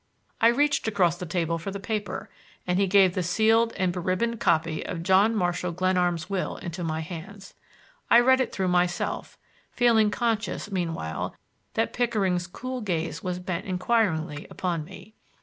I reached across the table for the paper, and he gave the sealed and beribboned copy of John Marshall Glenarm's will into my hands. I read it through for myself, feeling conscious meanwhile that Pickering's cool gaze was bent inquiringly upon me.